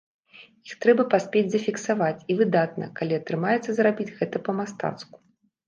Іх трэба паспець зафіксаваць, і выдатна, калі атрымаецца зрабіць гэта па-мастацку.